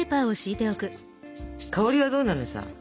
香りはどうなのさ？